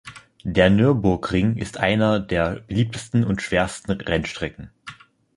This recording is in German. Der Nürburgring ist einer der beliebtesten und schwersten Rennstrecken.